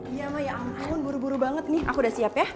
iya mah ya ampun buru buru banget nih aku udah siap ya